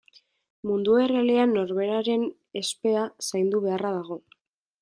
Mundu errealean norberaren ospea zaindu beharra dago.